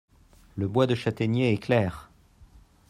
Le bois de châtaignier est clair.